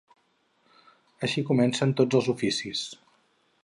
Així comencen tots els oficis.